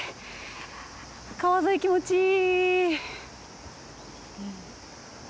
川沿い気持ちいい。